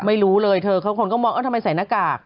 ไม่รู้เลยเธอคนก็มองทำไมใส่หน้ากาก